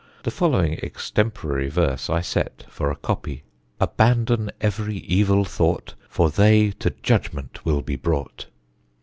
The following extempore verse I set for a copy: Abandon every evil thought For they to judgment will be brought.